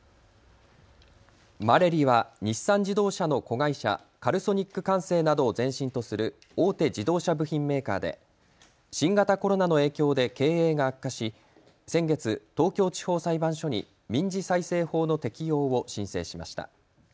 マレリは日産自動車の子会社、カルソニックカンセイなどを前身とする大手自動車部品メーカーで新型コロナの影響で経営が悪化し先月、東京地方裁判所に民事再生法の適用を申請しました。